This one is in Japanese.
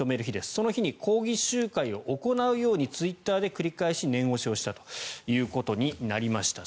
その日に抗議集会を行うようにツイッターで繰り返し念押しをしたということになりました。